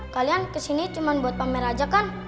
kalian kesini cuma buat pamer aja kan